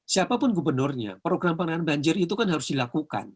siapapun gubernurnya program penanganan banjir itu kan harus dilakukan